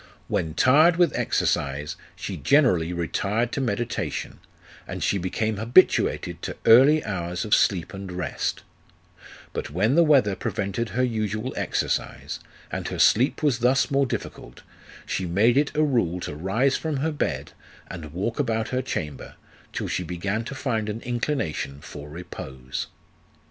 When tired with exercise, she generally retired to meditation, and she became habituated to early hours of sleep and rest ; but when the weather prevented her usual exercise, and her sleep was thus more difficult, she made it a rule to rise from her bed, and walk about her chamber, till she began to find an inclination for repose.